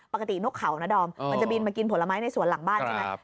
ปกตินกเขานะดอมมันจะบินมากินผลไม้ในสวนหลังบ้านใช่ไหม